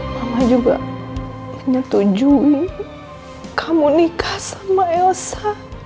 mama juga nyetujui kamu nikah sama elsa